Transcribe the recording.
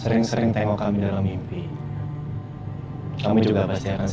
sering sering tengok kami dalam mimpi kamu juga pasti akan sering nampil kamu